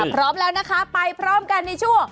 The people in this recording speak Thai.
พร้อมแล้วนะคะไปพร้อมกันในช่วง